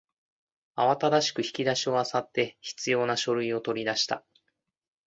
慌ただしく引き出しを漁って必要な書類を取り出した